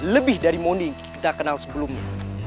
lebih dari mondi yang kita kenal sebelumnya